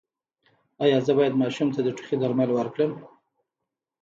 ایا زه باید ماشوم ته د ټوخي درمل ورکړم؟